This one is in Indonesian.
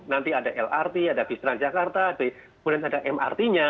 nanti ada lrt ada bus transjakarta kemudian ada mrt nya